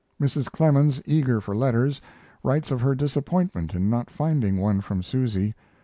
Mrs. Clemens, eager for letters, writes of her disappointment in not finding one from Susy.